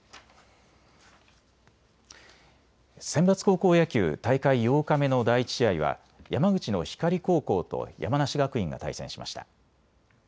センバツ高校野球、大会８日目の第１試合は山口の光高校と山梨学院が対戦しました。